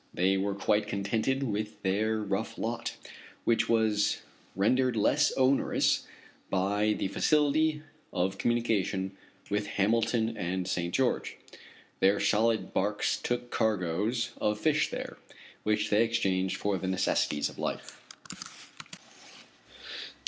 They were quite contented with their rough lot, which was rendered less onerous by the facility of communication with Hamilton and St. George. Their solid barks took cargoes of fish there, which they exchanged for the necessities of life.